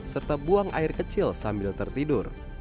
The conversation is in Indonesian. serta buang air kecil sambil tertidur